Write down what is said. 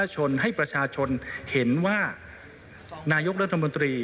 ชนให้ประชาชนเห็นว่านายกรัฐมนตรี